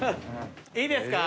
いいですか？